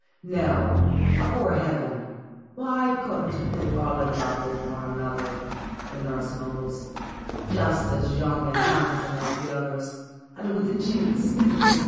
"Now, afore Heaven! why couldn't they fall in love with one another?" the nurse mumbles. " Just as young and handsome as the others, and with the chinks